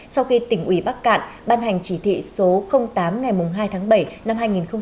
sau khi tỉnh ủy bắc cạn ban hành chỉ thị số tám ngày hai tháng bảy năm hai nghìn một mươi chín